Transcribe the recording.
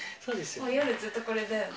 もう夜ずっとこれだよね。